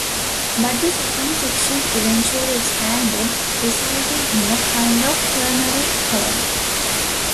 But the second section eventually expanded, resulting in a kind of ternary form.